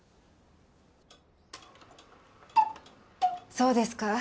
そうですか。